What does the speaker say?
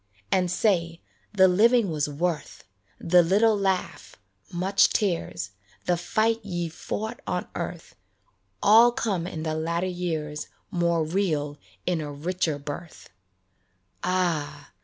And say, " The living was worth ; The little laugh, much tears, The fight ye fought on earth, All come in the latter years More real in a richer birth." Ah